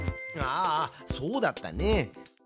あそうだったね。